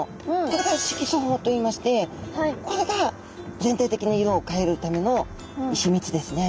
これが色素胞といいましてこれが全体的に色を変えるための秘密ですね。